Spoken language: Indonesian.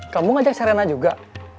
kamu ngajak serena juga